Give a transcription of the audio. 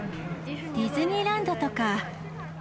ディズニーランドとか。